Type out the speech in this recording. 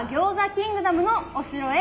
キングダムのお城へ。